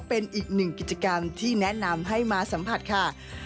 เป็นอีกหนึ่งกิจกรรมที่แนะนำให้มาสัมผัสค่ะ